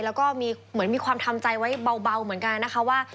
แล้วก็มีเหมือนมีความทำใจไว้เบาเหมือนกันนะคะว่า